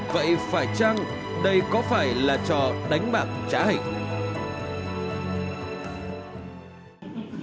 vậy phải chăng đây có phải là trò đánh bạc trá hình